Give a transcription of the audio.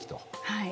はい。